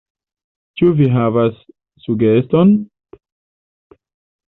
Ĉu vi havas sugeston?